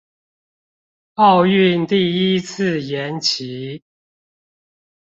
奧運第一次延期